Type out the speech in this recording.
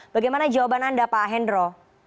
bagaimana jawaban anda pak hendro